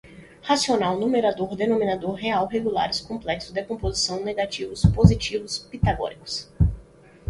racional, numerador, denominador, real, regulares, complexos, decomposição, negativos, positivos, pitagóricos